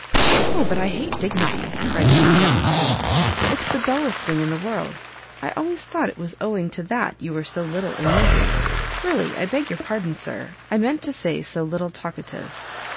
"O but I hate dignity!" cried she carelessly, "for it's the dullest thing in the world. I always thought it was owing to that you were so little amusing; really I beg your pardon, Sir, I meant to say so little talkative."